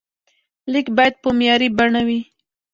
لیک باید په معیاري بڼه وي.